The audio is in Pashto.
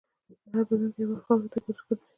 هر بدن یو وخت خاورو ته ورګرځي.